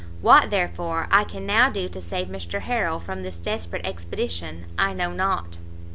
What, therefore, I can now do to save Mr Harrel from this desperate expedition I know not."